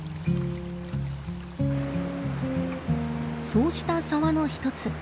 そうした沢の１つ。